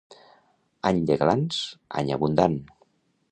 Any de glans, any abundant.